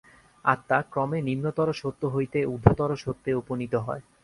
আত্মা ক্রমে নিম্নতর সত্য হইতে ঊর্ধ্বতর সত্যে উপনীত হয়।